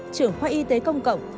trưởng khoa y tế công cộng